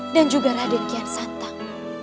dan juga raden kian santang